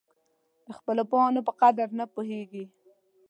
د خپلو پوهانو په قدر نه پوهېږي.